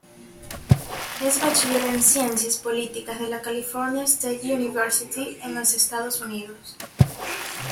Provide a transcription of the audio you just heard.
Es Bachiller en Ciencias Políticas de la California State University en los Estados Unidos.